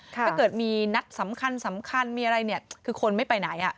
ถ้าเกิดมีนัดสำคัญมีอะไรคือคนไม่ไปไหน